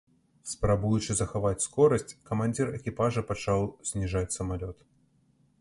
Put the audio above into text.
Спрабуючы захаваць скорасць, камандзір экіпажа пачаў зніжаць самалёт.